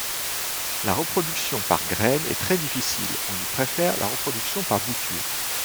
La reproduction par graine est très difficile, on lui préfère la reproduction par bouture.